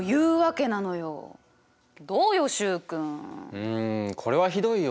うんこれはひどいよ。